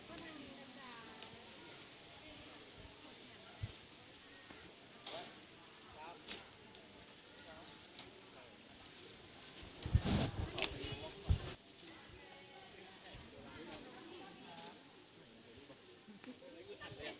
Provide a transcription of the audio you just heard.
เดี๋ยวขอตรงตามแปบนี้